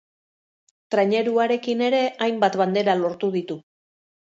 Traineruarekin ere hainbat bandera lortu ditu.